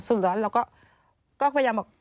สรุปแล้วเราก็ก็พยายามบอก